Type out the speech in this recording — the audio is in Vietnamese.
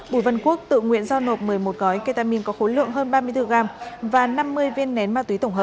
bùi văn quốc tự nguyện giao nộp một mươi một gói ketamin có khối lượng hơn ba mươi bốn gram